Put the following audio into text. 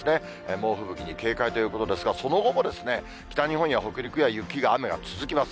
猛吹雪に警戒ということですが、その後も、北日本や北陸は雪や雨が続きます。